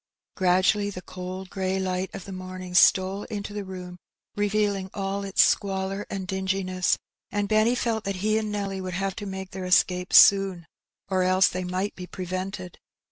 Gradually the cold grey light of the morning stole into the i^om, revealing all its squalor and dinginess, and Benny felt that he and Nelly would have to make their escape soon, or else they might be prevented.